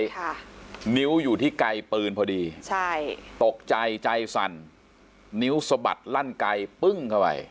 ค่ะนิ้วอยู่ที่ไกลปืนพอดีใช่ตกใจใจสั่นนิ้วสะบัดลั่นไกลปึ้งเข้าไป